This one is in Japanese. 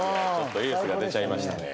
エースが出ちゃいましたね。